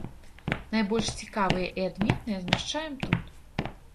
Найбольш цікавыя і адметныя змяшчаем тут.